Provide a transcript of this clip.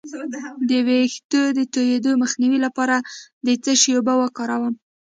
د ویښتو د تویدو مخنیوي لپاره د څه شي اوبه وکاروم؟